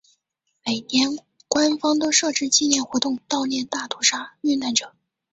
每年官方都设置纪念活动悼念大屠杀遇难者。